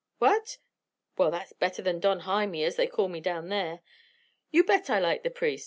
"What? Well, that's better than 'Don Himy,' as they call me down there. You bet I like the priest.